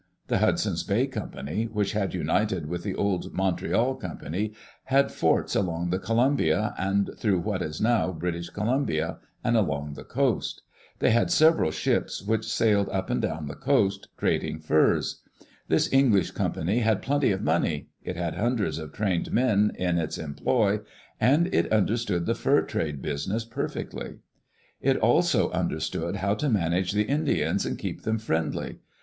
The Hudson's Bay Company, which had united with the old Montreal Company, had forts along the Columbia, and through what is now British Columbia, and along the coast. They had several ships which sailed up and down the coast, trad ing furs. This English company had plenty of money, it had hundreds of trained men in its employ, and it under* stood the fur trade business perfectly. It also understood how to manage the Indians and keep them friendly.